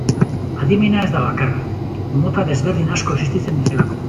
Adimena ez da bakarra, mota desberdin asko existitzen direlako.